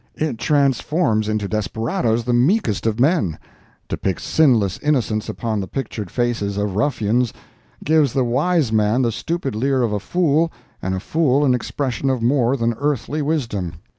It transforms into desperadoes the meekest of men; depicts sinless innocence upon the pictured faces of ruffians; gives the wise man the stupid leer of a fool, and a fool an expression of more than earthly wisdom.